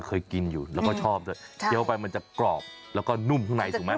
เคยกินอยู่แล้วก็ชอบเกี้ยวไปมันจะกรอบแล้วก็นุ่มทุกในสุดมั้ย